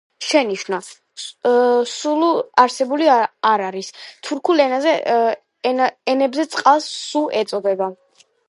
შენიშვნა: „სულუ“ არაბული არ არის, თურქულ ენებზე წყალს „სუ“ ეწოდება.